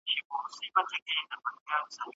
¬ يا دي مريى کړی نه واى، يا دي پوهولی نه واى.